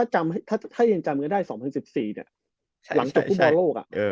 ถ้ายังจำกันได้๒๐๑๔หลังจบฟุตบอลโลก